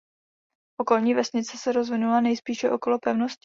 Okolní vesnice se rozvinula nejspíše okolo pevnosti.